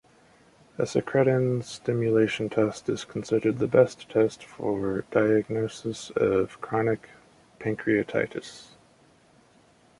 A secretin stimulation test is considered the best test for diagnosis of chronic pancreatitis.